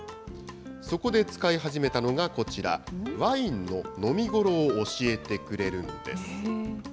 そこで使い始めたのがこちら、ワインの飲み頃を教えてくれるんです。